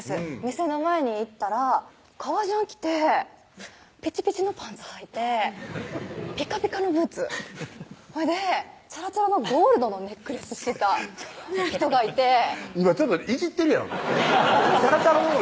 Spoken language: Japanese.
店の前に行ったら革ジャン着てピチピチのパンツはいてピカピカのブーツそれでチャラチャラのゴールドのネックレスしてた人がいて今ちょっといじってるやん「チャラチャラの」